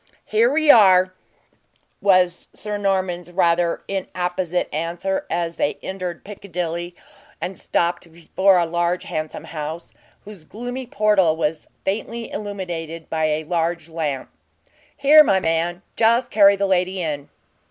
"Here we are," was Sir Norman's rather inapposite answer, as they entered Piccadilly, and stopped before a large and handsome house, whose gloomy portal was faintly illuminated by a large lamp. "Here, my man just carry the lady in."